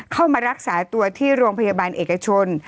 เข้ามารักษาตัวที่โรงพยาบาลเอกชน